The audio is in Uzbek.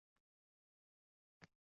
Oybekning she’rida o’ynaydi bu nur?